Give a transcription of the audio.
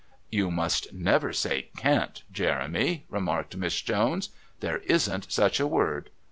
"You must never say 'can't,' Jeremy," remarked Miss Jones. "There isn't such a word."